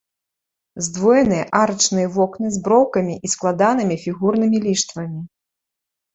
Здвоеныя арачныя вокны з броўкамі і складанымі фігурнымі ліштвамі.